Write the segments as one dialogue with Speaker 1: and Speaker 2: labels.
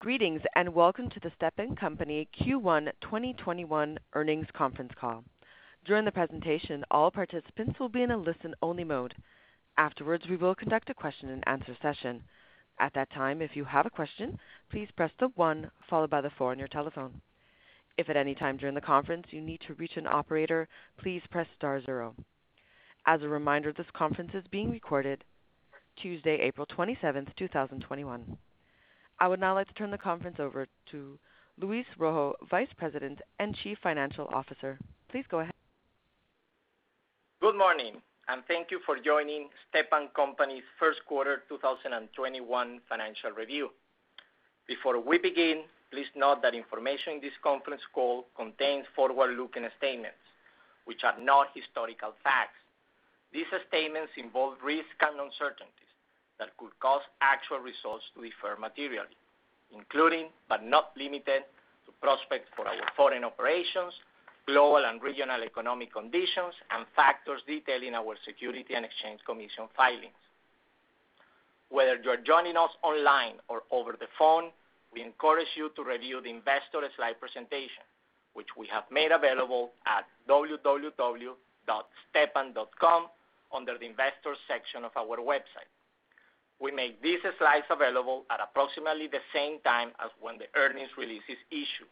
Speaker 1: Greetings, and welcome to the Stepan Company Q1 2021 earnings conference call. I would now like to turn the conference over to Luis Rojo, Vice President and Chief Financial Officer. Please go ahead.
Speaker 2: Good morning, and thank you for joining Stepan Company's first quarter 2021 financial review. Before we begin, please note that information in this conference call contains forward-looking statements which are not historical facts. These statements involve risks and uncertainties that could cause actual results to differ materially, including but not limited to prospects for our foreign operations, global and regional economic conditions, and factors detailed in our Securities and Exchange Commission filings. Whether you're joining us online or over the phone, we encourage you to review the investor slide presentation, which we have made available at www.stepan.com under the Investors section of our website. We make these slides available at approximately the same time as when the earnings release is issued,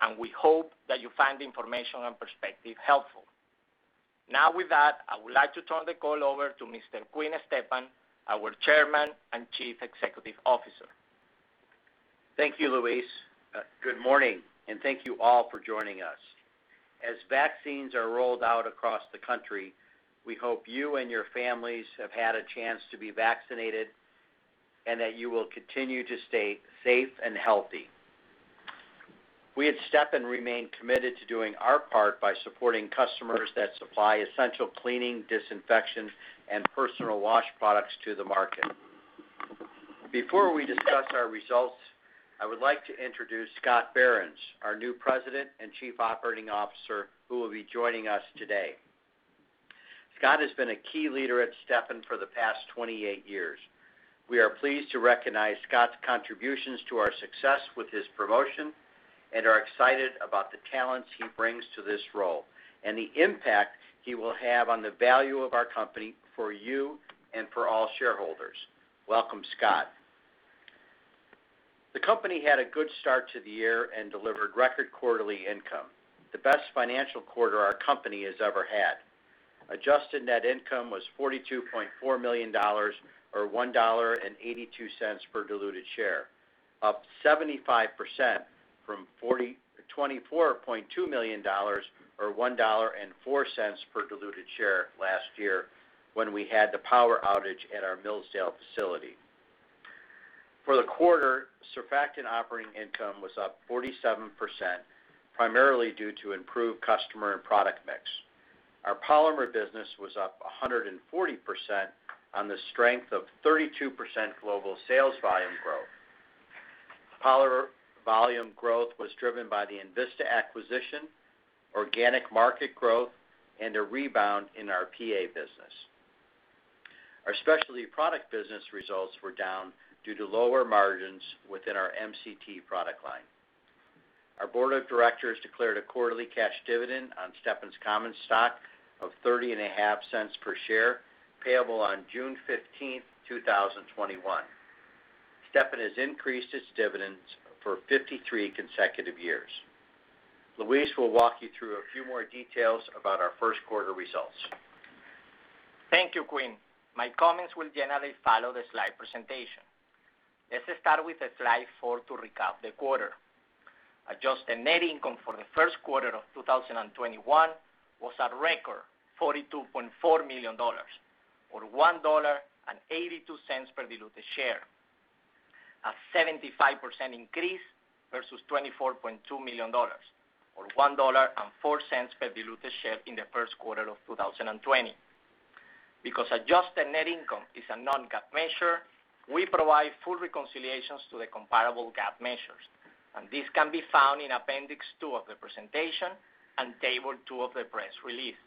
Speaker 2: and we hope that you find the information and perspective helpful. Now with that, I would like to turn the call over to Mr. Quinn Stepan, our Chairman and Chief Executive Officer.
Speaker 3: Thank you, Luis. Good morning, thank you all for joining us. As vaccines are rolled out across the country, we hope you and your families have had a chance to be vaccinated and that you will continue to stay safe and healthy. We at Stepan remain committed to doing our part by supporting customers that supply essential cleaning, disinfection, and personal wash products to the market. Before we discuss our results, I would like to introduce Scott Behrens, our new President and Chief Operating Officer, who will be joining us today. Scott has been a key leader at Stepan for the past 28 years. We are pleased to recognize Scott's contributions to our success with his promotion and are excited about the talents he brings to this role and the impact he will have on the value of our company for you and for all shareholders. Welcome, Scott. The company had a good start to the year and delivered record quarterly income, the best financial quarter our company has ever had. Adjusted net income was $42.4 million, or $1.82 per diluted share, up 75% from $24.2 million, or $1.04 per diluted share last year when we had the power outage at our Millsdale facility. For the quarter, surfactant operating income was up 47%, primarily due to improved customer and product mix. Our polymer business was up 140% on the strength of 32% global sales volume growth. Polymer volume growth was driven by the INVISTA acquisition, organic market growth, and a rebound in our PA business. Our specialty product business results were down due to lower margins within our MCT product line. Our Board of Directors declared a quarterly cash dividend on Stepan's common stock of $0.305 per share, payable on June 15th, 2021. Stepan has increased its dividends for 53 consecutive years. Luis will walk you through a few more details about our first quarter results.
Speaker 2: Thank you, Quinn. My comments will generally follow the slide presentation. Let's start with slide four to recap the quarter. Adjusted net income for the first quarter of 2021 was a record $42.4 million, or $1.82 per diluted share, a 75% increase versus $24.2 million, or $1.04 per diluted share in the first quarter of 2020. Because adjusted net income is a non-GAAP measure, we provide full reconciliations to the comparable GAAP measures. This can be found in appendix two of the presentation and table two of the press release.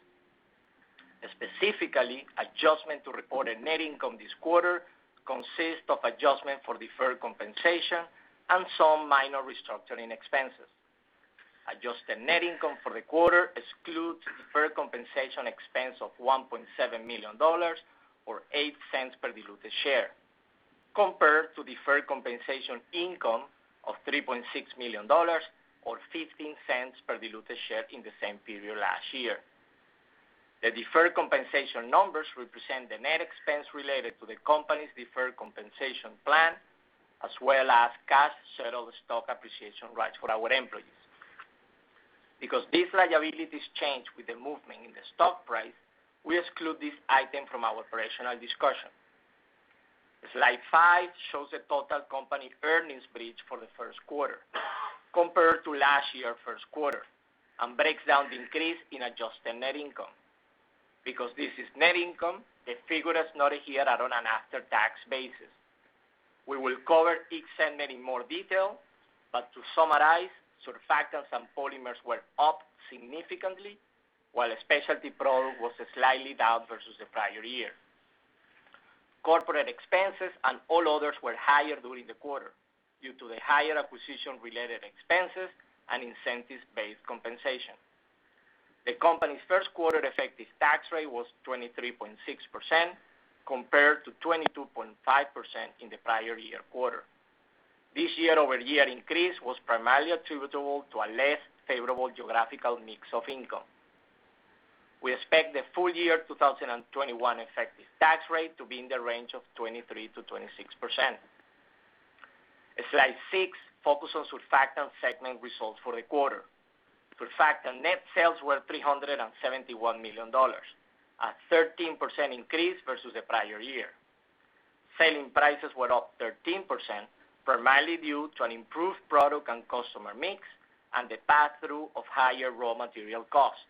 Speaker 2: Specifically, adjustment to reported net income this quarter consists of adjustment for deferred compensation and some minor restructuring expenses. Adjusted net income for the quarter excludes deferred compensation expense of $1.7 million, or $0.08 per diluted share, compared to deferred compensation income of $3.6 million, or $0.15 per diluted share in the same period last year. The deferred compensation numbers represent the net expense related to the company's deferred compensation plan, as well as cash settled stock appreciation rights for our employees. Because these liabilities change with the movement in the stock price, we exclude this item from our operational discussion. Slide five shows the total company earnings bridge for the first quarter compared to last year first quarter and breaks down the increase in adjusted net income. Because this is net income, the figures noted here are on an after-tax basis. We will cover each segment in more detail, but to summarize, surfactants and polymers were up significantly, while Specialty Products was slightly down versus the prior year. Corporate expenses and all others were higher during the quarter due to the higher acquisition-related expenses and incentives-based compensation. The company's first quarter effective tax rate was 23.6% compared to 22.5% in the prior year quarter. This year-over-year increase was primarily attributable to a less favorable geographical mix of income. We expect the full year 2021 effective tax rate to be in the range of 23%-26%. Slide six focus on Surfactant segment results for the quarter. Surfactant net sales were $371 million, a 13% increase versus the prior year. Selling prices were up 13%, primarily due to an improved product and customer mix, and the pass-through of higher raw material costs.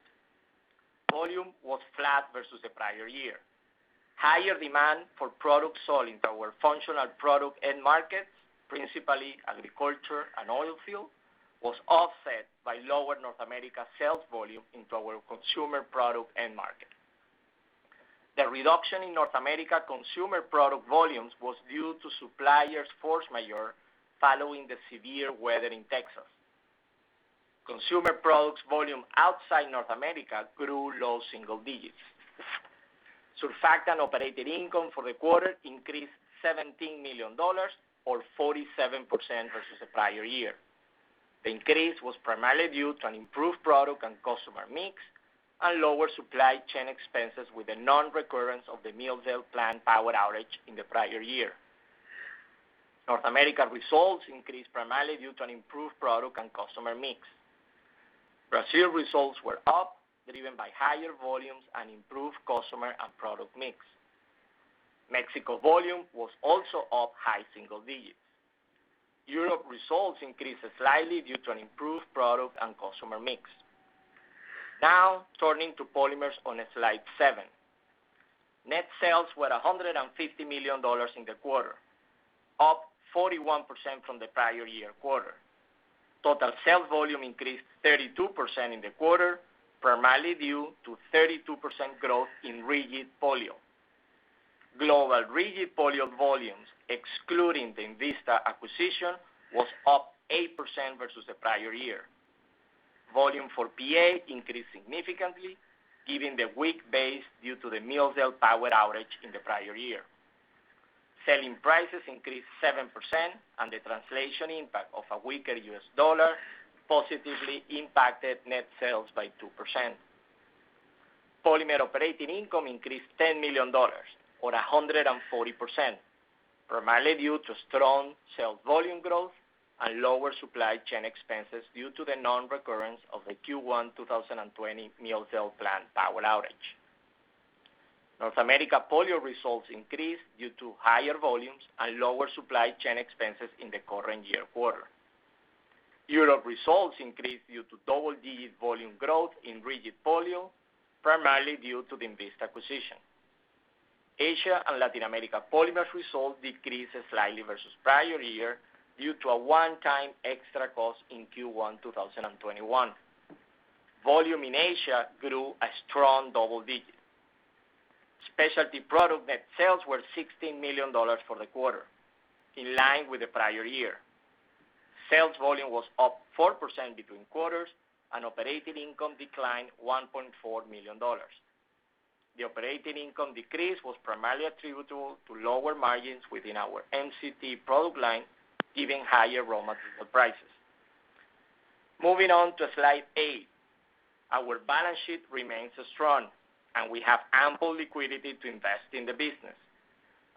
Speaker 2: Volume was flat versus the prior year. Higher demand for products sold into our functional product end markets, principally agriculture and oil field, was offset by lower North America sales volume into our consumer product end market. The reduction in North America consumer product volumes was due to suppliers force majeure following the severe weather in Texas. Consumer products volume outside North America grew low single digits. Surfactant operating income for the quarter increased $17 million, or 47% versus the prior year. The increase was primarily due to an improved product and customer mix, and lower supply chain expenses with a non-recurrence of the Millsdale plant power outage in the prior year. North America results increased primarily due to an improved product and customer mix. Brazil results were up, driven by higher volumes and improved customer and product mix. Mexico volume was also up high single digits. Europe results increased slightly due to an improved product and customer mix. Turning to Polymers on slide seven. Net sales were $150 million in the quarter, up 41% from the prior year quarter. Total sales volume increased 32% in the quarter, primarily due to 32% growth in rigid polyol. Global rigid polyol volumes, excluding the INVISTA acquisition, was up 8% versus the prior year. Volume for PA increased significantly, given the weak base due to the Millsdale power outage in the prior year. Selling prices increased 7%, and the translation impact of a weaker U.S. dollar positively impacted net sales by 2%. Polymer operating income increased $10 million, or 140%, primarily due to strong sales volume growth and lower supply chain expenses due to the non-recurrence of the Q1 2020 Millsdale plant power outage. North America polyol results increased due to higher volumes and lower supply chain expenses in the current year quarter. Europe results increased due to double-digit volume growth in rigid polyol, primarily due to the INVISTA acquisition. Asia and Latin America polymers results decreased slightly versus prior year due to a one-time extra cost in Q1 2021. Volume in Asia grew a strong double digits. Specialty product net sales were $16 million for the quarter, in line with the prior year. Sales volume was up 4% between quarters, and operating income declined $1.4 million. The operating income decrease was primarily attributable to lower margins within our MCT product line, given higher raw material prices. Moving on to slide eight. Our balance sheet remains strong, and we have ample liquidity to invest in the business.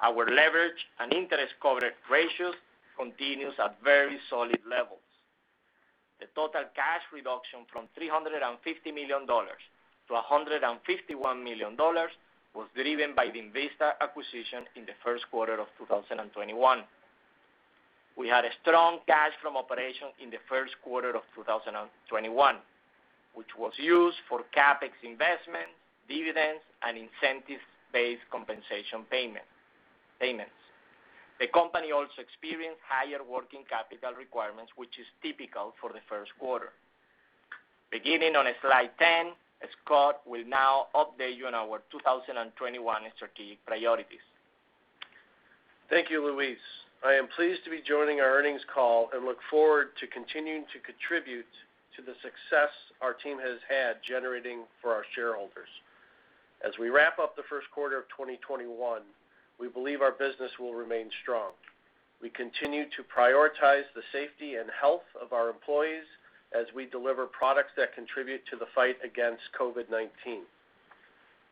Speaker 2: Our leverage and interest coverage ratios continue at very solid levels. The total cash reduction from $350 million to $151 million was driven by the INVISTA acquisition in the first quarter of 2021. We had a strong cash from operations in the first quarter of 2021, which was used for CapEx investments, dividends, and incentives-based compensation payments. The company also experienced higher working capital requirements, which is typical for the first quarter. Beginning on slide 10, Scott will now update you on our 2021 strategic priorities.
Speaker 4: Thank you, Luis. I am pleased to be joining our earnings call and look forward to continuing to contribute to the success our team has had generating for our shareholders. As we wrap up the first quarter of 2021, we believe our business will remain strong. We continue to prioritize the safety and health of our employees as we deliver products that contribute to the fight against COVID-19.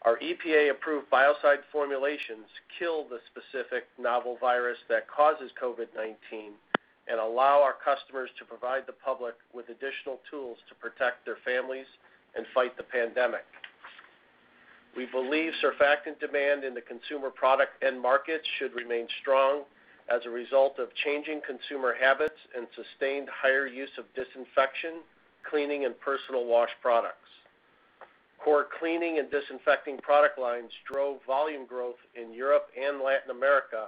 Speaker 4: Our EPA-approved biocide formulations kill the specific novel virus that causes COVID-19 and allow our customers to provide the public with additional tools to protect their families and fight the pandemic. We believe surfactant demand in the consumer product end markets should remain strong as a result of changing consumer habits and sustained higher use of disinfection, cleaning, and personal wash products. Core cleaning and disinfecting product lines drove volume growth in Europe and Latin America,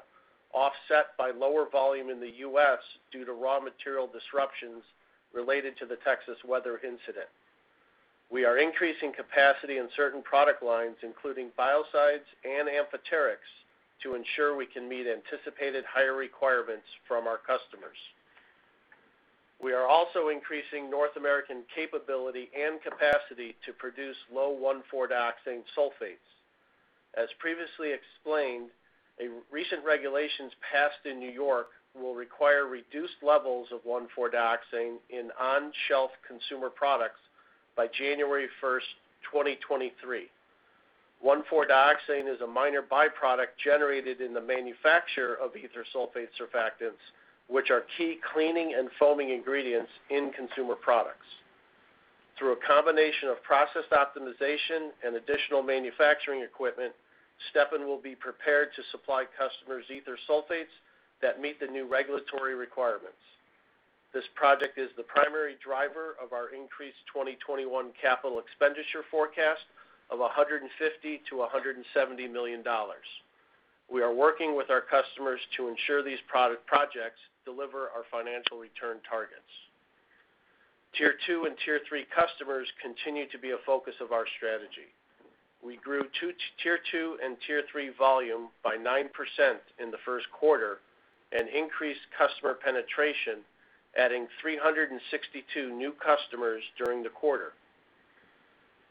Speaker 4: offset by lower volume in the U.S. due to raw material disruptions related to the Texas weather incident. We are increasing capacity in certain product lines, including biocides and amphoterics, to ensure we can meet anticipated higher requirements from our customers. We are also increasing North American capability and capacity to produce low 1,4-dioxane sulfates. As previously explained, a recent regulations passed in New York will require reduced levels of 1,4-dioxane in on-shelf consumer products by January 1st, 2023. 1,4-dioxane is a minor byproduct generated in the manufacture of ether sulfate surfactants, which are key cleaning and foaming ingredients in consumer products. Through a combination of process optimization and additional manufacturing equipment, Stepan will be prepared to supply customers ether sulfates that meet the new regulatory requirements. This project is the primary driver of our increased 2021 capital expenditure forecast of $150 million-$170 million. We are working with our customers to ensure these projects deliver our financial return targets. Tier 2 and tier 3 customers continue to be a focus of our strategy. We grew tier 2 and tier 3 volume by 9% in the first quarter, and increased customer penetration, adding 362 new customers during the quarter.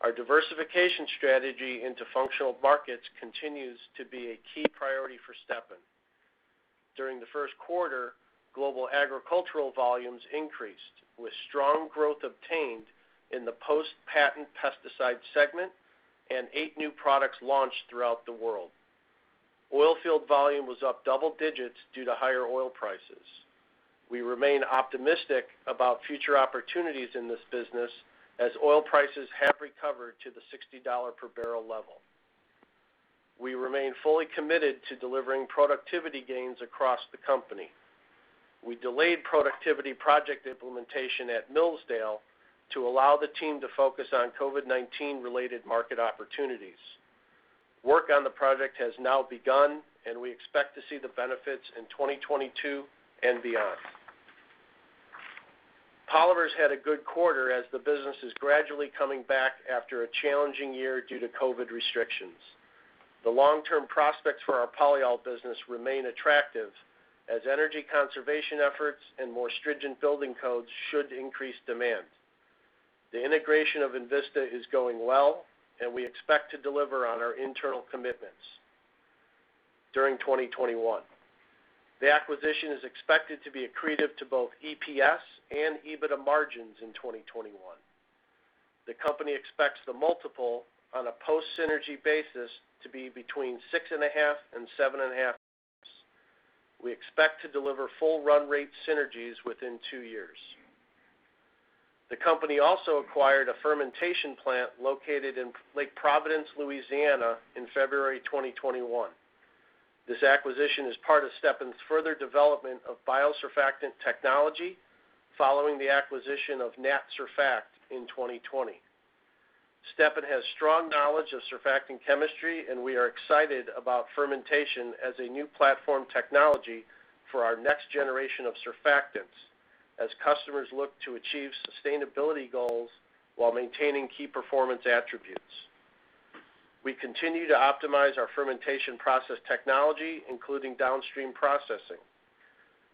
Speaker 4: Our diversification strategy into functional markets continues to be a key priority for Stepan. During the first quarter, global agricultural volumes increased, with strong growth obtained in the post-patent pesticide segment and eight new products launched throughout the world. Oilfield volume was up double digits due to higher oil prices. We remain optimistic about future opportunities in this business as oil prices have recovered to the $60/bbl level. We remain fully committed to delivering productivity gains across the company. We delayed productivity project implementation at Millsdale to allow the team to focus on COVID-19 related market opportunities. Work on the project has now begun, and we expect to see the benefits in 2022 and beyond. Polymers had a good quarter as the business is gradually coming back after a challenging year due to COVID restrictions. The long-term prospects for our polyol business remain attractive as energy conservation efforts and more stringent building codes should increase demand. The integration of INVISTA is going well, and we expect to deliver on our internal commitments during 2021. The acquisition is expected to be accretive to both EPS and EBITDA margins in 2021. The company expects the multiple on a post-synergy basis to be between 6.5x and 7.5x. We expect to deliver full run rate synergies within two years. The company also acquired a fermentation plant located in Lake Providence, Louisiana in February 2021. This acquisition is part of Stepan's further development of biosurfactant technology following the acquisition of NatSurFact in 2020. Stepan has strong knowledge of surfactant chemistry, and we are excited about fermentation as a new platform technology for our next generation of surfactants, as customers look to achieve sustainability goals while maintaining key performance attributes. We continue to optimize our fermentation process technology, including downstream processing.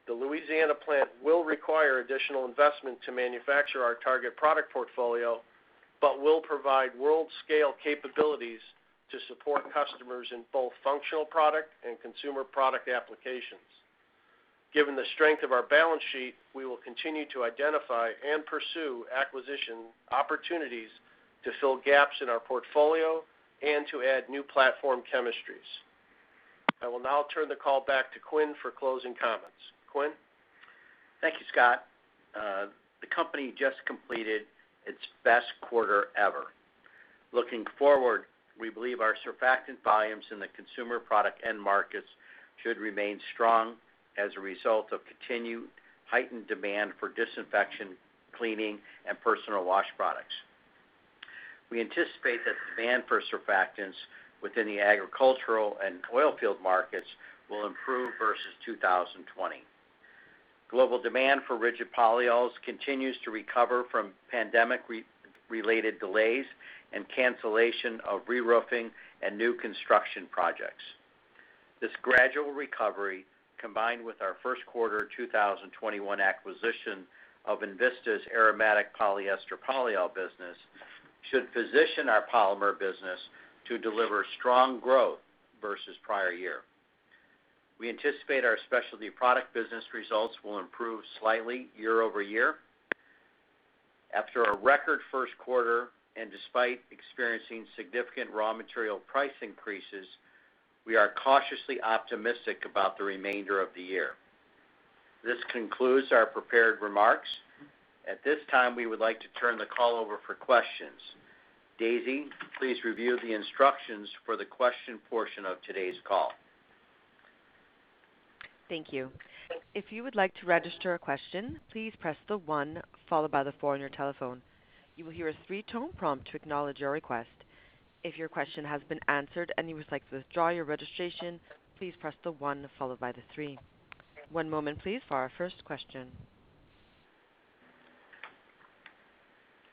Speaker 4: The Louisiana plant will require additional investment to manufacture our target product portfolio, but will provide world-scale capabilities to support customers in both functional product and consumer product applications. Given the strength of our balance sheet, we will continue to identify and pursue acquisition opportunities to fill gaps in our portfolio and to add new platform chemistries. I will now turn the call back to Quinn for closing comments. Quinn?
Speaker 3: Thank you, Scott. The company just completed its best quarter ever. Looking forward, we believe our surfactant volumes in the consumer product end markets should remain strong as a result of continued heightened demand for disinfection, cleaning, and personal wash products. We anticipate that demand for surfactants within the agricultural and oilfield markets will improve versus 2020. Global demand for rigid polyols continues to recover from pandemic-related delays and cancellation of reroofing and new construction projects. This gradual recovery, combined with our first quarter 2021 acquisition of INVISTA's aromatic polyester polyol business, should position our polymer business to deliver strong growth versus prior year. We anticipate our specialty product business results will improve slightly year-over-year. After a record first quarter, and despite experiencing significant raw material price increases, we are cautiously optimistic about the remainder of the year. This concludes our prepared remarks. At this time, we would like to turn the call over for questions. Daisy, please review the instructions for the question portion of today's call.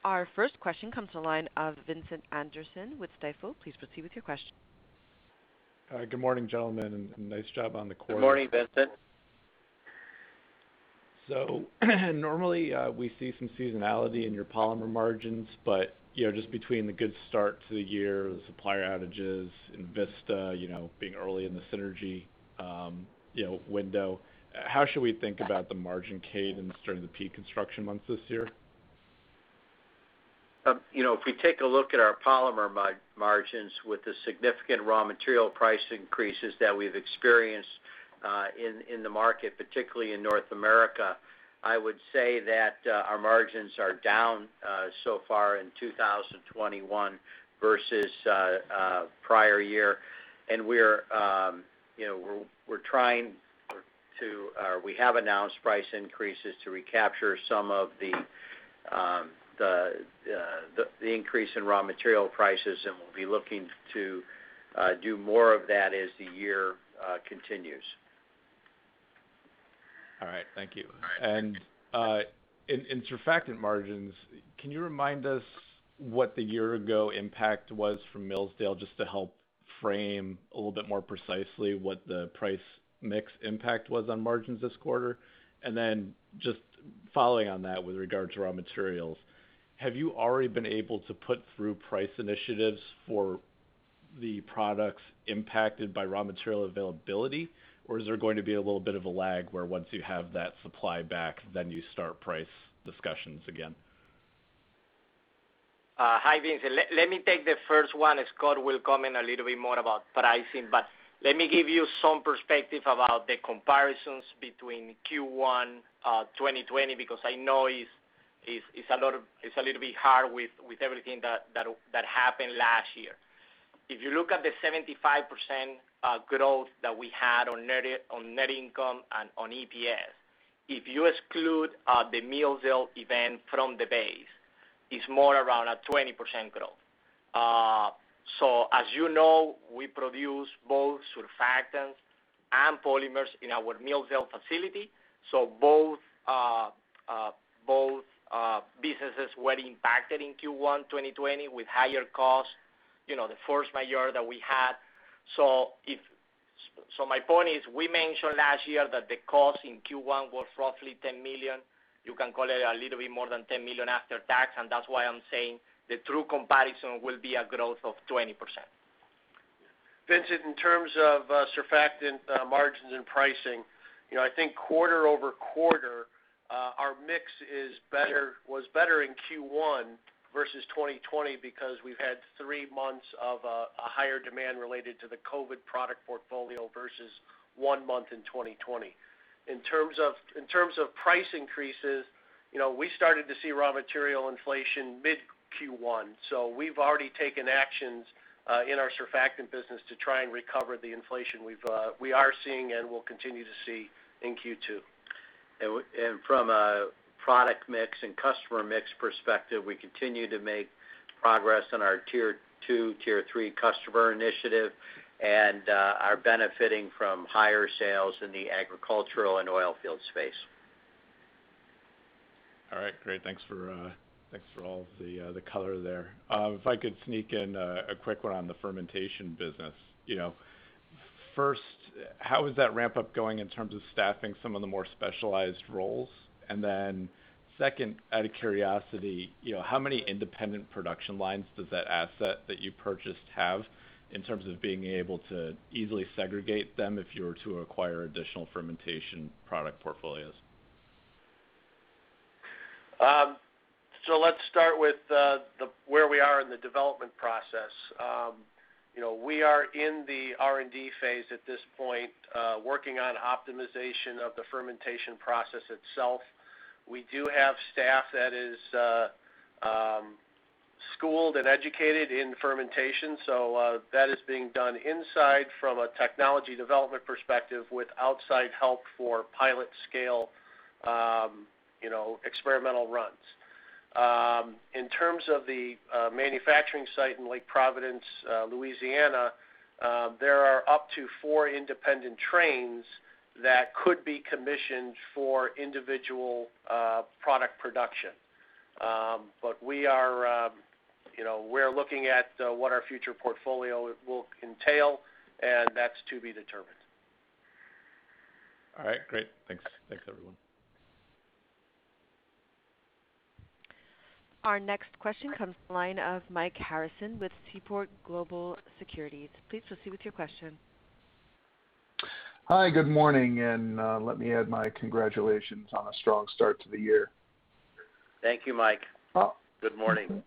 Speaker 1: Our first question comes to the line of Vincent Anderson with Stifel, please proceed with your question.
Speaker 5: Hi. Good morning, gentlemen, and nice job on the quarter.
Speaker 3: Good morning, Vincent.
Speaker 5: Normally we see some seasonality in your polymer margins, but just between the good start to the year, the supplier outages, INVISTA, being early in the synergy window, how should we think about the margin cadence during the peak construction months this year?
Speaker 3: If we take a look at our polymer margins with the significant raw material price increases that we've experienced in the market, particularly in North America, I would say that our margins are down so far in 2021 versus prior year. We have announced price increases to recapture some of the increase in raw material prices, and we'll be looking to do more of that as the year continues.
Speaker 5: All right. Thank you.
Speaker 3: All right, thank you.
Speaker 5: In surfactant margins, can you remind us what the year-ago impact was from Millsdale, just to help frame a little bit more precisely what the price mix impact was on margins this quarter? Just following on that, with regard to raw materials, have you already been able to put through price initiatives for the products impacted by raw material availability? Or is there going to be a little bit of a lag where once you have that supply back, then you start price discussions again?
Speaker 2: Hi, Vincent. Let me take the first one, as Scott will comment a little bit more about pricing. Let me give you some perspective about the comparisons between Q1 2020, because I know it's a little bit hard with everything that happened last year. If you look at the 75% growth that we had on net income and on EPS, if you exclude the Millsdale event from the base, it's more around a 20% growth. As you know, we produce both surfactants and polymers in our Millsdale facility, both businesses were impacted in Q1 2020 with higher costs, the force majeure that we had. My point is, we mentioned last year that the cost in Q1 was roughly $10 million. You can call it a little bit more than $10 million after tax, and that's why I'm saying the true comparison will be a growth of 20%.
Speaker 4: Vincent, in terms of surfactant margins and pricing, I think quarter-over-quarter, our mix was better in Q1 versus 2020 because we've had three months of a higher demand related to the COVID product portfolio versus one month in 2020. In terms of price increases, we started to see raw material inflation mid Q1, so we've already taken actions in our surfactant business to try and recover the inflation we are seeing and will continue to see in Q2.
Speaker 3: From a product mix and customer mix perspective, we continue to make progress on our tier 2, tier 3 customer initiative, and are benefiting from higher sales in the agricultural and oil field space.
Speaker 5: All right, great. Thanks for all of the color there. If I could sneak in a quick one on the fermentation business. First, how is that ramp-up going in terms of staffing some of the more specialized roles? Second, out of curiosity, how many independent production lines does that asset that you purchased have in terms of being able to easily segregate them if you were to acquire additional fermentation product portfolios?
Speaker 4: Let's start with where we are in the development process. We are in the R&D phase at this point, working on optimization of the fermentation process itself. We do have staff that is schooled and educated in fermentation, so that is being done inside from a technology development perspective with outside help for pilot scale experimental runs. In terms of the manufacturing site in Lake Providence, Louisiana, there are up to four independent trains that could be commissioned for individual product production. We're looking at what our future portfolio will entail, and that's to be determined.
Speaker 5: All right. Great. Thanks, everyone.
Speaker 1: Our next question comes from the line of Mike Harrison with Seaport Global Securities. Please proceed with your question.
Speaker 6: Hi. Good morning. Let me add my congratulations on a strong start to the year.
Speaker 3: Thank you, Mike. Good morning.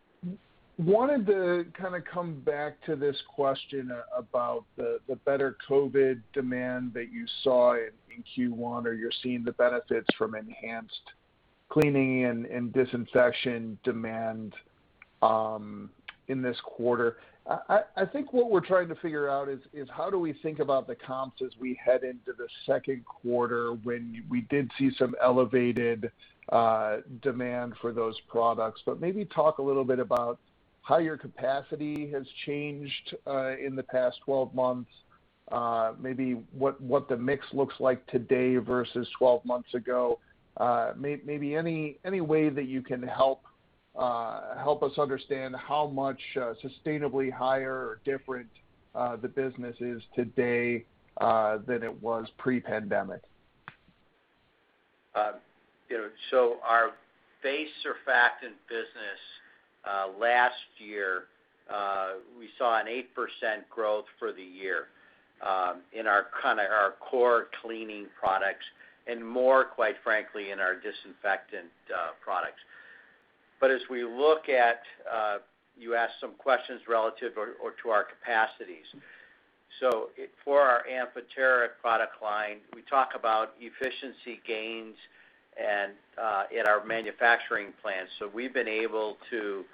Speaker 6: Wanted to kind of come back to this question about the better COVID-19 demand that you saw in Q1, or you're seeing the benefits from enhanced cleaning and disinfection demand in this quarter. I think what we're trying to figure out is how do we think about the comps as we head into the second quarter when we did see some elevated demand for those products. Maybe talk a little bit about how your capacity has changed in the past 12 months. Maybe what the mix looks like today versus 12 months ago. Maybe any way that you can help us understand how much sustainably higher or different the business is today than it was pre-pandemic.
Speaker 3: Our base surfactant business, last year, we saw an 8% growth for the year in our core cleaning products, and more, quite frankly, in our disinfectant products. As we look at, you asked some questions relative to our capacities. For our amphoteric product line, we talk about efficiency gains in our manufacturing plants. We've been able to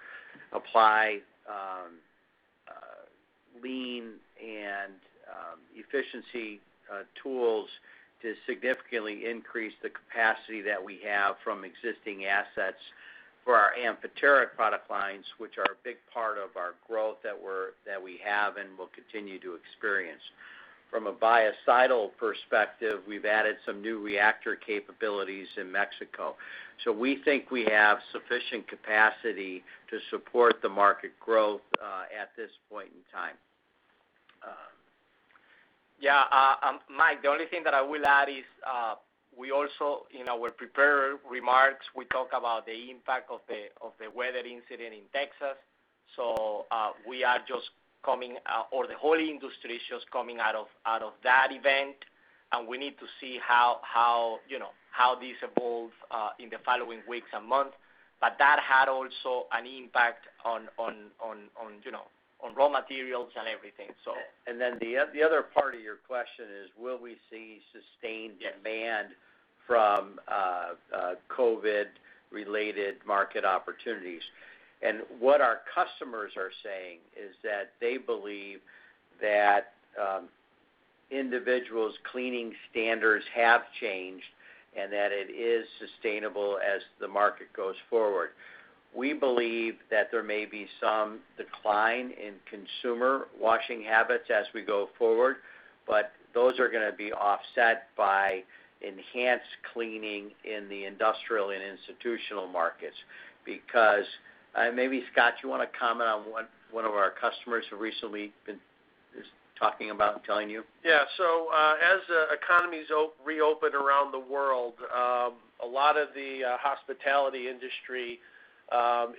Speaker 3: apply lean and efficiency tools to significantly increase the capacity that we have from existing assets for our amphoteric product lines, which are a big part of our growth that we have and will continue to experience. From a biocidal perspective, we've added some new reactor capabilities in Mexico. We think we have sufficient capacity to support the market growth at this point in time.
Speaker 2: Yeah. Mike, the only thing that I will add is, we also, in our prepared remarks, we talk about the impact of the weather incident in Texas. We are just coming, or the whole industry is just coming out of that event, and we need to see how this evolves in the following weeks and months. That had also an impact on raw materials and everything.
Speaker 3: The other part of your question is, will we see sustained demand from COVID-19-related market opportunities? What our customers are saying is that they believe that individuals' cleaning standards have changed and that it is sustainable as the market goes forward. We believe that there may be some decline in consumer washing habits as we go forward, but those are going to be offset by enhanced cleaning in the industrial and institutional markets. Maybe Scott, you want to comment on what one of our customers who recently has been talking about and telling you?
Speaker 4: As economies reopen around the world, a lot of the hospitality industry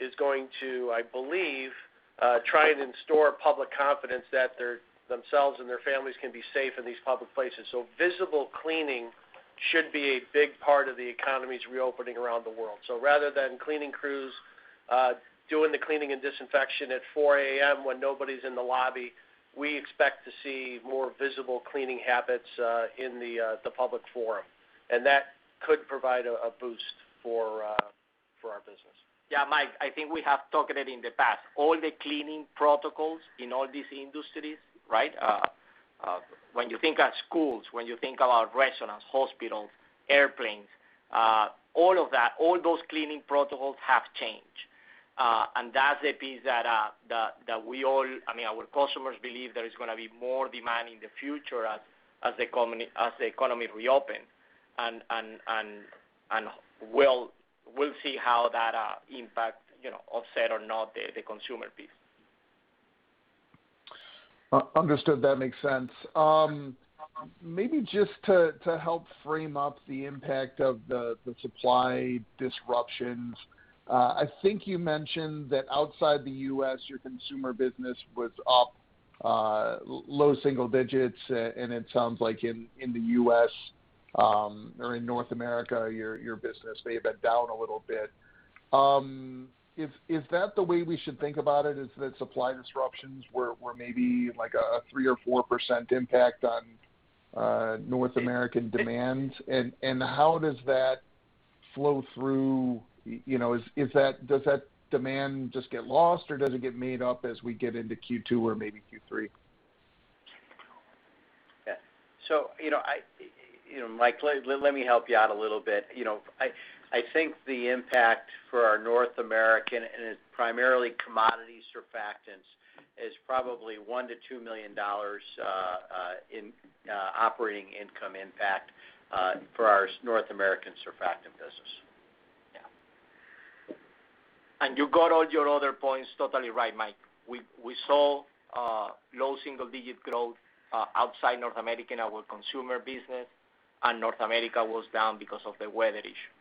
Speaker 4: is going to, I believe, try and restore public confidence that themselves and their families can be safe in these public places. Visible cleaning should be a big part of the economy's reopening around the world. Rather than cleaning crews doing the cleaning and disinfection at 4:00 a.m. when nobody's in the lobby, we expect to see more visible cleaning habits in the public forum. That could provide a boost for our business.
Speaker 2: Yeah, Mike, I think we have talked it in the past. All the cleaning protocols in all these industries. When you think of schools, when you think about restaurants, hospitals, airplanes, all of that, all those cleaning protocols have changed. That's a piece that our customers believe there is going to be more demand in the future as the economy reopens. We'll see how that impacts, offset or not, the consumer piece.
Speaker 6: Understood. That makes sense. Maybe just to help frame up the impact of the supply disruptions, I think you mentioned that outside the U.S., your consumer business was up low single digits, and it sounds like in the U.S. or in North America, your business may have been down a little bit. Is that the way we should think about it, is that supply disruptions were maybe like a 3% or 4% impact on North American demands? How does that flow through? Does that demand just get lost, or does it get made up as we get into Q2 or maybe Q3?
Speaker 3: Yeah. Mike, let me help you out a little bit. I think the impact for our North American, and it's primarily commodity surfactants, is probably $1 million-$2 million in operating income impact for our North American surfactant business.
Speaker 2: Yeah. You got all your other points totally right, Mike. We saw low single-digit growth outside North America in our consumer business, and North America was down because of the weather issue.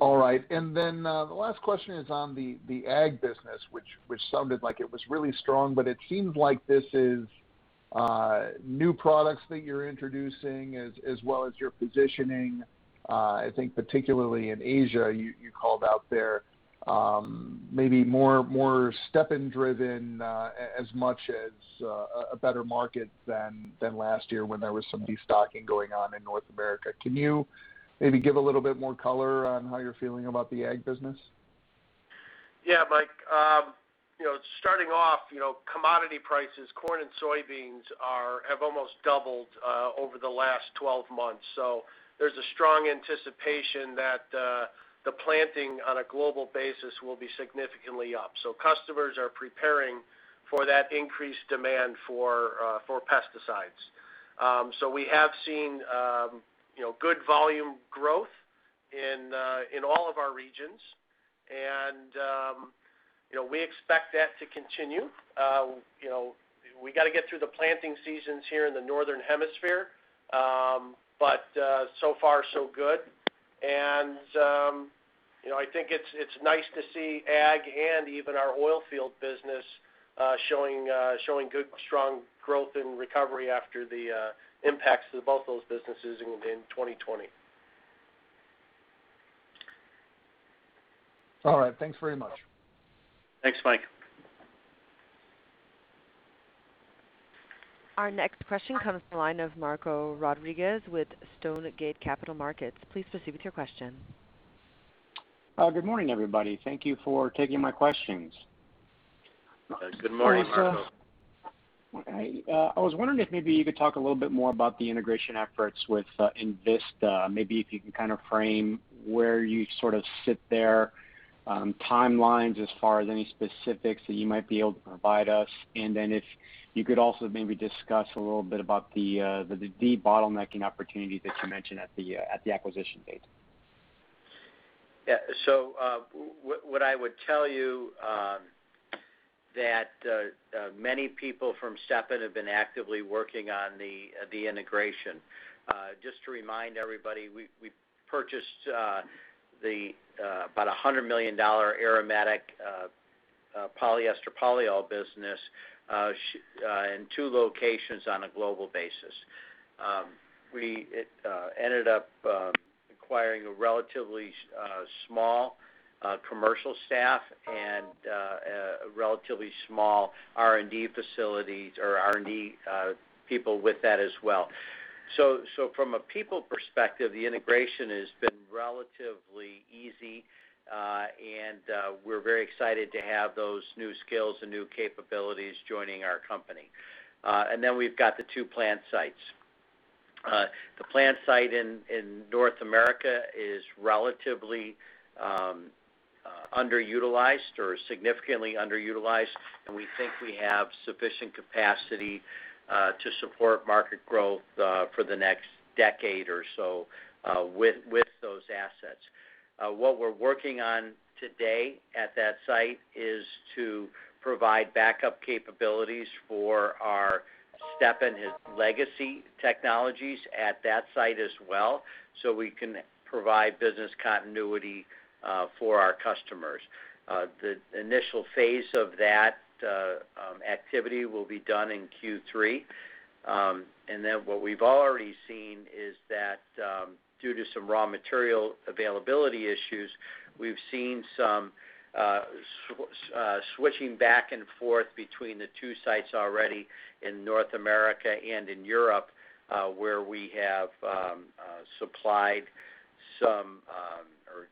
Speaker 6: All right. The last question is on the Ag business, which sounded like it was really strong, but it seems like this is new products that you're introducing as well as your positioning. I think particularly in Asia, you called out there maybe more Stepan-driven as much as a better market than last year when there was some de-stocking going on in North America. Can you maybe give a little bit more color on how you're feeling about the Ag business?
Speaker 4: Yeah, Mike. Commodity prices, corn and soybeans, have almost doubled over the last 12 months. There's a strong anticipation that the planting on a global basis will be significantly up. Customers are preparing for that increased demand for pesticides. We have seen good volume growth in all of our regions, and we expect that to continue. We got to get through the planting seasons here in the Northern Hemisphere, so far so good. I think it's nice to see ag and even our oil field business showing good, strong growth and recovery after the impacts to both those businesses in 2020.
Speaker 6: All right. Thanks very much.
Speaker 4: Thanks, Mike.
Speaker 1: Our next question comes from the line of Marco Rodriguez with Stonegate Capital Markets. Please proceed with your question.
Speaker 7: Good morning, everybody. Thank you for taking my questions.
Speaker 3: Good morning, Marco.
Speaker 7: I was wondering if maybe you could talk a little bit more about the integration efforts with INVISTA. Maybe if you can kind of frame where you sort of sit there, timelines as far as any specifics that you might be able to provide us. Then if you could also maybe discuss a little bit about the de-bottlenecking opportunity that you mentioned at the acquisition date.
Speaker 3: Yeah. What I would tell you that many people from Stepan have been actively working on the integration. Just to remind everybody, we purchased about $100 million aromatic polyester polyol business in two locations on a global basis. We ended up acquiring a relatively small commercial staff and a relatively small R&D facilities or R&D people with that as well. From a people perspective, the integration has been relatively easy. We're very excited to have those new skills and new capabilities joining our company. We've got the two plant sites. The plant site in North America is relatively underutilized or significantly underutilized, and we think we have sufficient capacity to support market growth for the next decade or so with those assets. What we're working on today at that site is to provide backup capabilities for our Stepan legacy technologies at that site as well, so we can provide business continuity for our customers. The initial phase of that activity will be done in Q3. What we've already seen is that due to some raw material availability issues, we've seen some switching back and forth between the two sites already in North America and in Europe, where we have supplied some or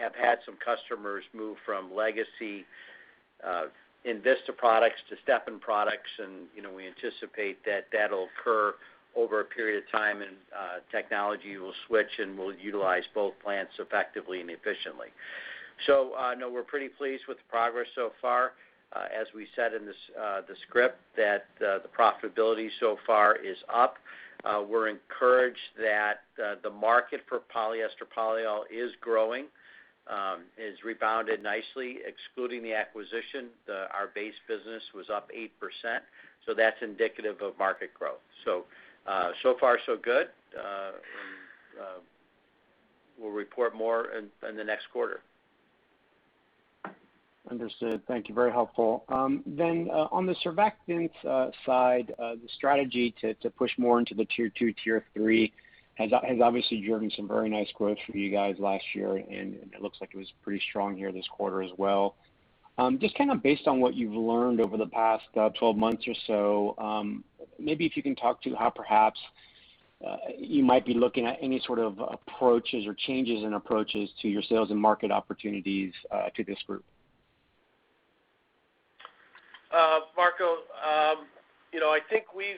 Speaker 3: have had some customers move from legacy INVISTA products to Stepan products. We anticipate that that'll occur over a period of time and technology will switch, and we'll utilize both plants effectively and efficiently. No, we're pretty pleased with the progress so far. As we said in the script that the profitability so far is up. We're encouraged that the market for polyester polyol is growing. It has rebounded nicely. Excluding the acquisition, our base business was up 8%, so that's indicative of market growth. So far so good. We'll report more in the next quarter.
Speaker 7: Understood. Thank you. Very helpful. On the surfactants side, the strategy to push more into the tier 2, tier 3 has obviously driven some very nice growth for you guys last year, and it looks like it was pretty strong here this quarter as well. Just kind of based on what you've learned over the past 12 months or so, maybe if you can talk to how perhaps you might be looking at any sort of approaches or changes in approaches to your sales and market opportunities to this group.
Speaker 4: Marco, I think we've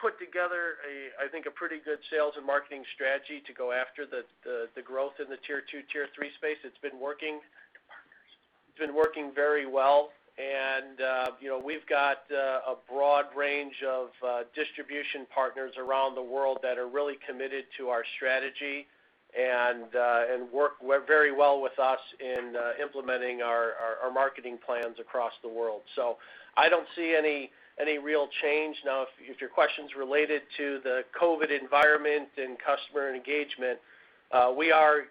Speaker 4: put together a pretty good sales and marketing strategy to go after the growth in the tier 2, tier 3 space. It's been working very well. We've got a broad range of distribution partners around the world that are really committed to our strategy and work very well with us in implementing our marketing plans across the world. I don't see any real change. Now, if your question's related to the COVID environment and customer engagement, we are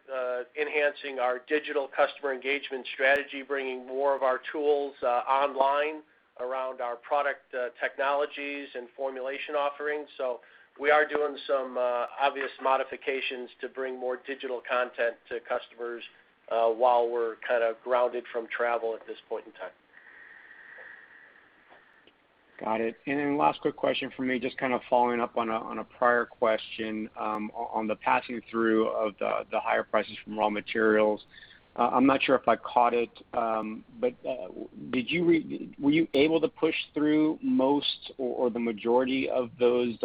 Speaker 4: enhancing our digital customer engagement strategy, bringing more of our tools online around our product technologies and formulation offerings. We are doing some obvious modifications to bring more digital content to customers while we're kind of grounded from travel at this point in time.
Speaker 7: Got it. Last quick question from me, just kind of following up on a prior question on the passing through of the higher prices from raw materials. I'm not sure if I caught it, but were you able to push through most or the majority of those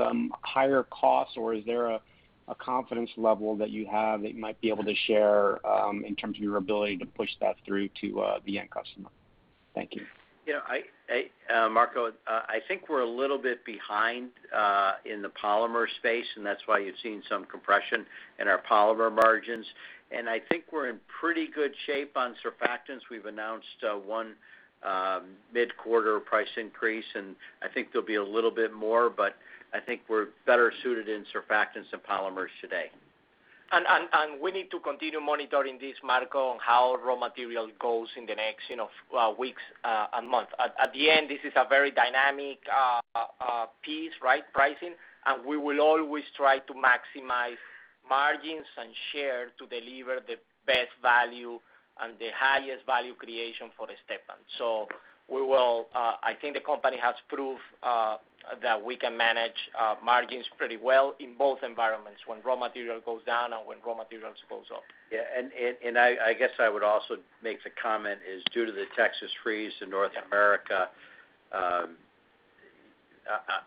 Speaker 7: higher costs, or is there a confidence level that you have that you might be able to share in terms of your ability to push that through to the end customer? Thank you.
Speaker 3: Marco, I think we're a little bit behind in the polymer space. That's why you've seen some compression in our polymer margins. I think we're in pretty good shape on surfactants. We've announced one mid-quarter price increase. I think there'll be a little bit more. I think we're better suited in surfactants than polymers today.
Speaker 2: We need to continue monitoring this, Marco, on how raw material goes in the next weeks and months. At the end, this is a very dynamic piece, pricing, and we will always try to maximize margins and share to deliver the best value and the highest value creation for Stepan. I think the company has proved that we can manage margins pretty well in both environments, when raw material goes down and when raw materials goes up.
Speaker 3: Yeah. I guess I would also make the comment is due to the Texas freeze in North America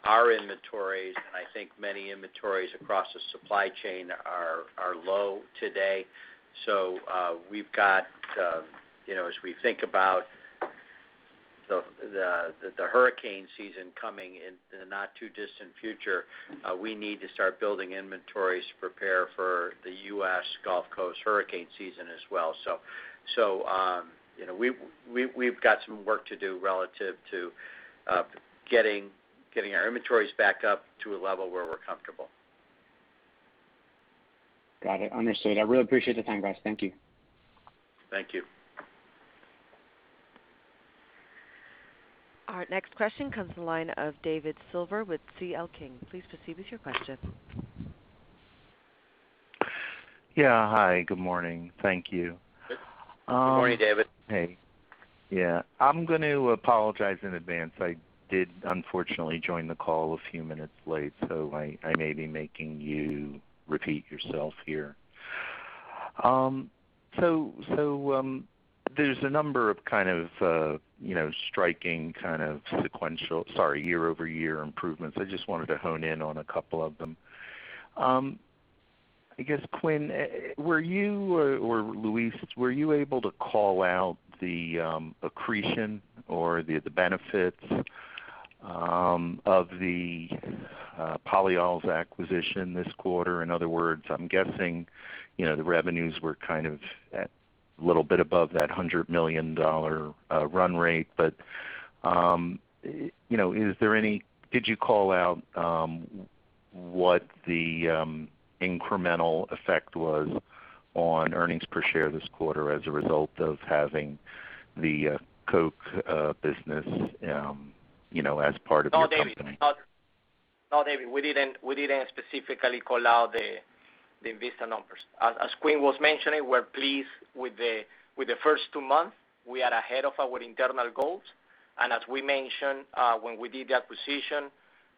Speaker 3: our inventories, and I think many inventories across the supply chain are low today. As we think about the hurricane season coming in the not too distant future, we need to start building inventories to prepare for the U.S. Gulf Coast hurricane season as well. We've got some work to do relative to getting our inventories back up to a level where we're comfortable.
Speaker 7: Got it. Understood. I really appreciate the time, guys. Thank you.
Speaker 3: Thank you.
Speaker 1: Our next question comes from the line of David Silver with CL King. Please proceed with your question.
Speaker 8: Yeah. Hi, good morning. Thank you.
Speaker 3: Good morning, David.
Speaker 8: Hey. Yeah. I'm going to apologize in advance. I did unfortunately join the call a few minutes late, so I may be making you repeat yourself here. There's a number of striking kind of year-over-year improvements. I just wanted to hone in on a couple of them. I guess, Quinn, were you or Luis, were you able to call out the accretion or the benefits of the Polyols acquisition this quarter? In other words, I'm guessing the revenues were kind of at little bit above that $100 million run rate. Did you call out what the incremental effect was on earnings per share this quarter as a result of having the INVISTA business as part of your company?
Speaker 2: No, David. We didn't specifically call out the INVISTA numbers. As Quinn was mentioning, we're pleased with the first two months. We are ahead of our internal goals. As we mentioned when we did the acquisition,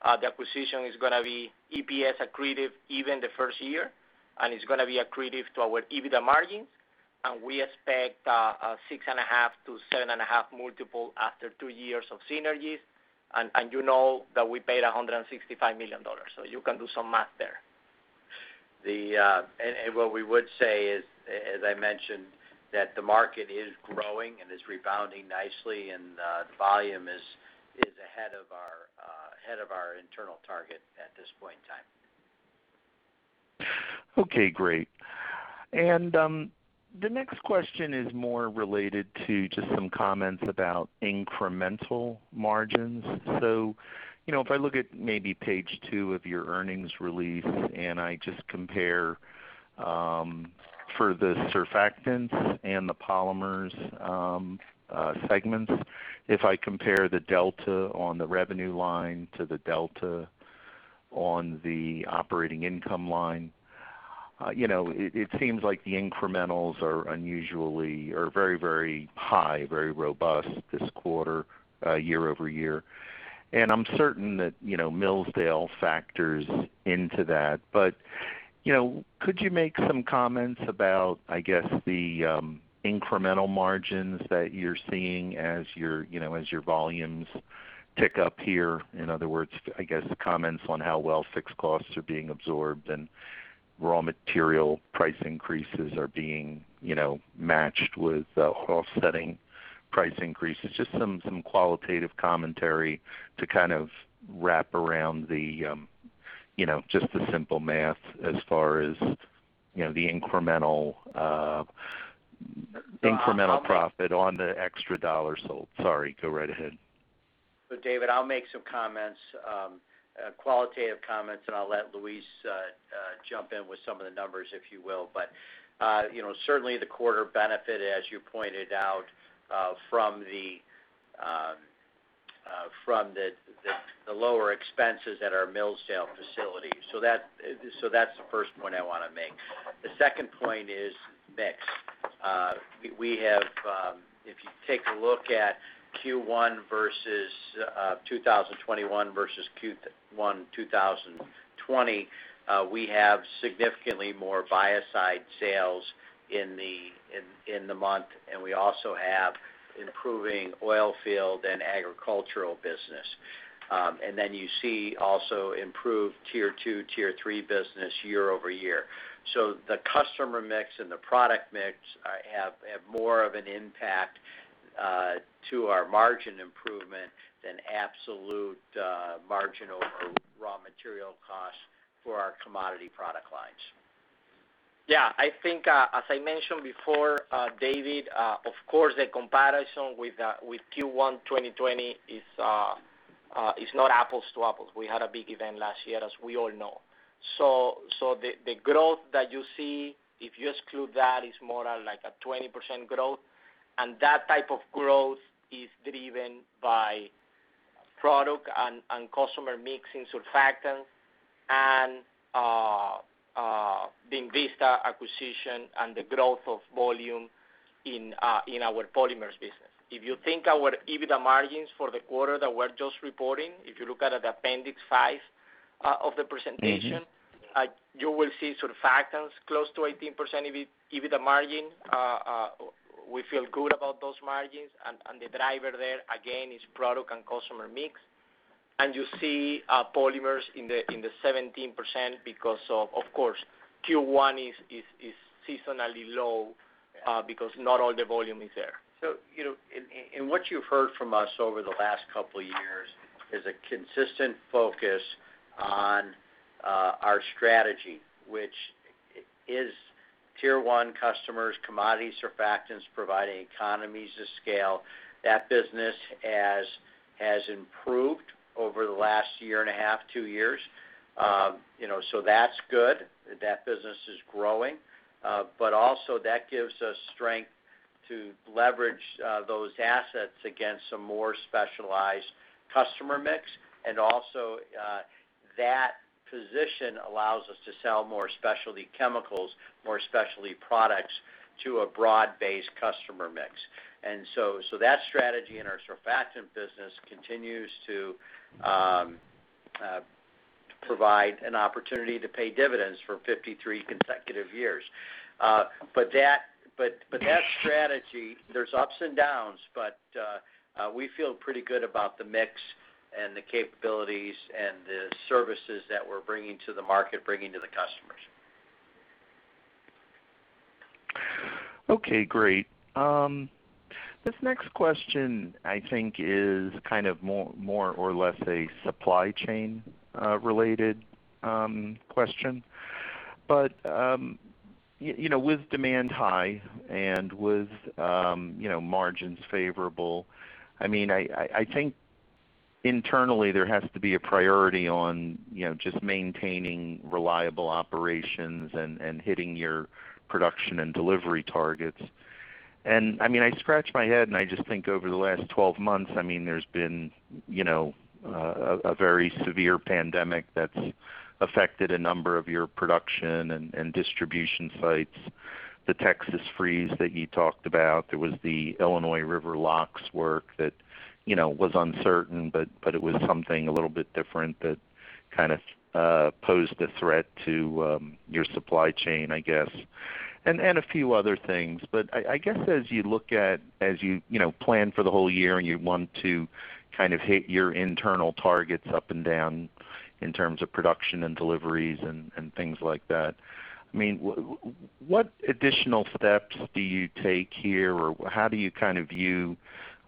Speaker 2: the acquisition is going to be EPS accretive even the first year, and it's going to be accretive to our EBITDA margins. We expect 6.5x-7.5x after two years of synergies. You know that we paid $165 million, so you can do some math there.
Speaker 3: What we would say is, as I mentioned, that the market is growing and is rebounding nicely, and the volume is ahead of our internal target at this point in time.
Speaker 8: Okay, great. The next question is more related to just some comments about incremental margins. If I look at maybe page two of your earnings release, and I just compare for the surfactants and the polymers segments, if I compare the delta on the revenue line to the delta on the operating income line, it seems like the incrementals are very high, very robust this quarter year-over-year. I'm certain that Millsdale factors into that. Could you make some comments about, I guess, the incremental margins that you're seeing as your volumes tick up here? In other words, I guess, comments on how well fixed costs are being absorbed and raw material price increases are being matched with offsetting price increases. Just some qualitative commentary to kind of wrap around just the simple math as far as the incremental profit on the extra dollar sold. Sorry, go right ahead.
Speaker 3: David, I'll make some qualitative comments, and I'll let Luis jump in with some of the numbers, if you will. Certainly the quarter benefit, as you pointed out, from the lower expenses at our Millsdale facility. The second point is mix. If you take a look at Q1 2021 versus Q1 2020, we have significantly more biocide sales in the month, and we also have improving oil field and agricultural business. You see also improved tier 2, tier 3 business year-over-year. The customer mix and the product mix have more of an impact to our margin improvement than absolute margin over raw material costs for our commodity product lines.
Speaker 2: Yeah. I think, as I mentioned before, David, of course, the comparison with Q1 2020 is not apples to apples. We had a big event last year, as we all know. The growth that you see, if you exclude that, is more like a 20% growth, and that type of growth is driven by product and customer mix in surfactants and the INVISTA acquisition and the growth of volume in our polymers business. If you think our EBITDA margins for the quarter that we're just reporting, if you look at appendix five of the presentation. you will see surfactants close to 18% EBITDA margin. We feel good about those margins, and the driver there, again, is product and customer mix. You see polymers in the 17% because, of course, Q1 is seasonally low.
Speaker 3: Yeah.
Speaker 2: Not all the volume is there.
Speaker 3: What you've heard from us over the last couple of years is a consistent focus on our strategy, which is tier 1 customers, commodity surfactants, providing economies to scale. That business has improved over the last year and a half, two years. That's good. That business is growing. Also, that gives us strength to leverage those assets against a more specialized customer mix. Also, that position allows us to sell more specialty chemicals, more specialty products to a broad-based customer mix. That strategy in our surfactant business continues to provide an opportunity to pay dividends for 53 consecutive years. That strategy, there's ups and downs, but we feel pretty good about the mix and the capabilities and the services that we're bringing to the market, bringing to the customers.
Speaker 8: Okay, great. This next question, I think, is kind of more or less a supply chain related question. With demand high and with margins favorable, I think internally there has to be a priority on just maintaining reliable operations and hitting your production and delivery targets. I scratch my head, and I just think over the last 12 months, there's been a very severe pandemic that's affected a number of your production and distribution sites. The Texas freeze that you talked about. There was the Illinois river locks work that was uncertain, but it was something a little bit different that kind of posed a threat to your supply chain, I guess. A few other things. I guess as you plan for the whole year and you want to kind of hit your internal targets up and down in terms of production and deliveries and things like that, what additional steps do you take here, or how do you view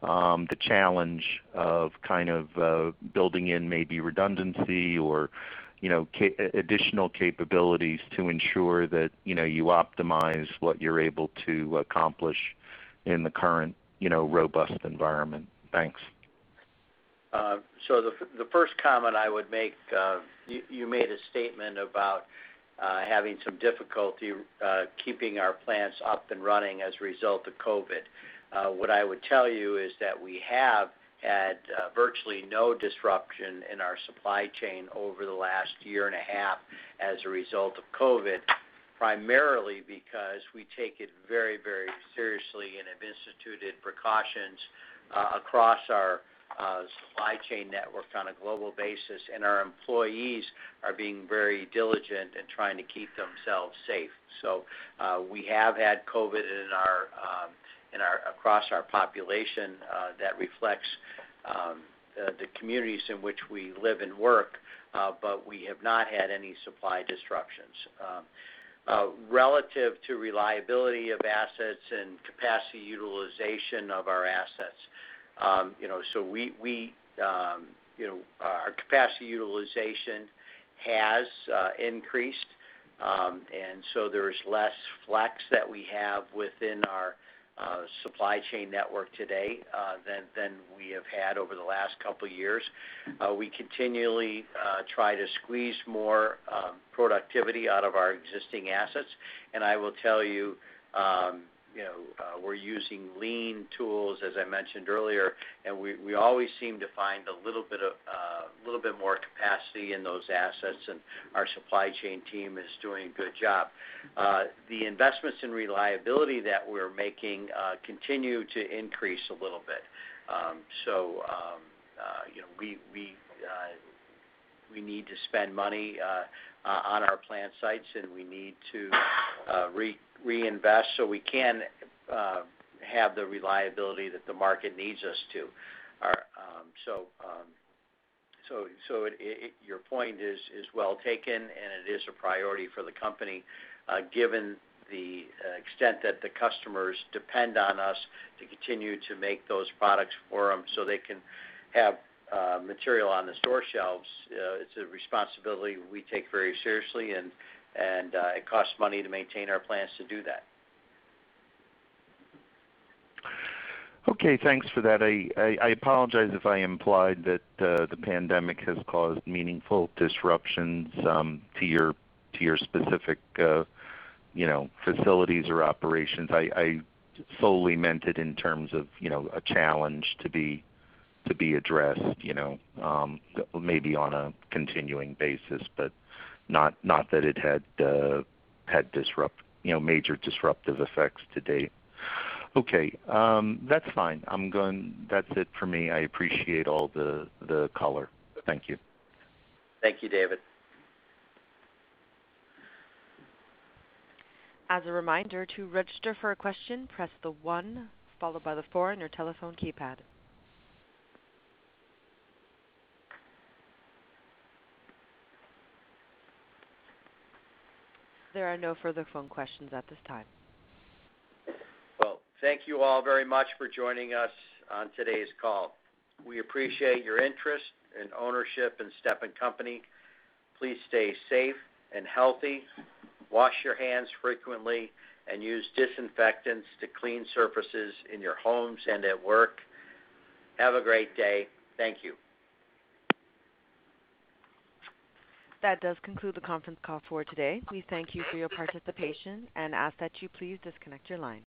Speaker 8: the challenge of kind of building in maybe redundancy or additional capabilities to ensure that you optimize what you're able to accomplish in the current robust environment? Thanks.
Speaker 3: The first comment I would make, you made a statement about having some difficulty keeping our plants up and running as a result of COVID. What I would tell you is that we have had virtually no disruption in our supply chain over the last year and a half as a result of COVID, primarily because we take it very seriously and have instituted precautions across our supply chain network on a global basis, and our employees are being very diligent in trying to keep themselves safe. We have had COVID across our population. That reflects the communities in which we live and work. We have not had any supply disruptions. Relative to reliability of assets and capacity utilization of our assets. Our capacity utilization has increased, there's less flex that we have within our supply chain network today than we have had over the last couple of years. We continually try to squeeze more productivity out of our existing assets. I will tell you, we're using lean tools, as I mentioned earlier, we always seem to find a little bit more capacity in those assets, our supply chain team is doing a good job. The investments in reliability that we're making continue to increase a little bit. We need to spend money on our plant sites, we need to reinvest so we can have the reliability that the market needs us to. Your point is well taken, and it is a priority for the company, given the extent that the customers depend on us to continue to make those products for them so they can have material on the store shelves. It's a responsibility we take very seriously, and it costs money to maintain our plants to do that.
Speaker 8: Okay. Thanks for that. I apologize if I implied that the pandemic has caused meaningful disruptions to your specific facilities or operations. I solely meant it in terms of a challenge to be addressed maybe on a continuing basis, but not that it had major disruptive effects to date. Okay. That's fine. That's it for me. I appreciate all the color. Thank you.
Speaker 3: Thank you, David.
Speaker 1: There are no further phone questions at this time.
Speaker 3: Well, thank you all very much for joining us on today's call. We appreciate your interest and ownership in Stepan Company. Please stay safe and healthy, wash your hands frequently, and use disinfectants to clean surfaces in your homes and at work. Have a great day. Thank you.
Speaker 1: That does conclude the conference call for today. We thank you for your participation and ask that you please disconnect your line.